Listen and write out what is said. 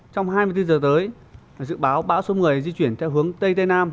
trong hai mươi bốn giờ tới dự báo bão số một mươi di chuyển theo hướng tây tây nam